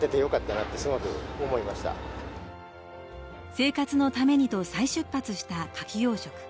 生活のためにと再出発したカキ養殖。